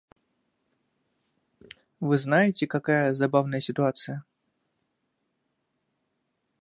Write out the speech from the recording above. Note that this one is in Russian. Вы знаете, какая забавная ситуация.